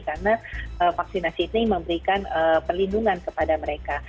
karena vaksinasi ini memberikan perlindungan kepada mereka